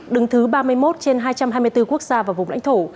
đứng thứ ba mươi một trên hai trăm hai mươi bốn quốc gia và vùng lãnh thổ